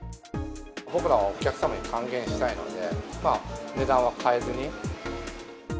僕らはお客様に還元したいので、値段は変えずに。